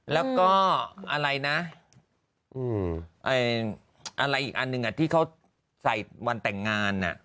แล้วก็อะไรนะอะไรอีกอันหนึ่งที่เขาใส่วันแต่งงาน